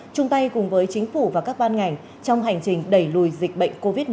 chung tay cùng với chính phủ và các ban ngành trong hành trình đẩy lùi dịch bệnh covid một mươi chín